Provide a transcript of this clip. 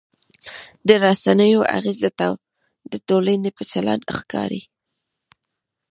د رسنیو اغېز د ټولنې په چلند ښکاري.